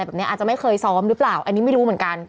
อาจจะไม่เคยซ้อมดูเปล่า